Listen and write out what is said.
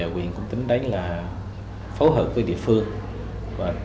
quyền cũng tính đấy là phối hợp với địa phương